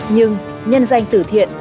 nhưng nhân danh từ thiện